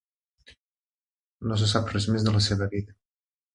No se sap res més de la seva vida.